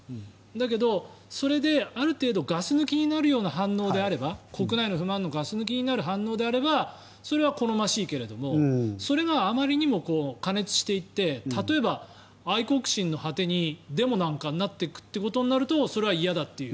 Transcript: だけど、それである程度ガス抜きになるような反応であればそれは好ましいけどあまりにも過熱していって例えば、愛国心の果てにデモなんかになっていくってことになるとそれは嫌だという。